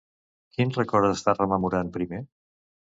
Quin record està rememorant primer?